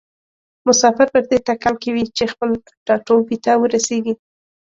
مسافر پر دې تکل کې وي چې خپل ټاټوبي ته ورسیږي.